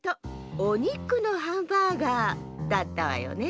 おにくのハンバーガーだったわよね。